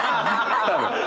多分。